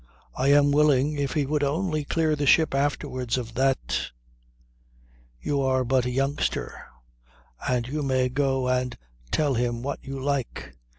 "I am willing, if he would only clear the ship afterwards of that ... You are but a youngster and you may go and tell him what you like.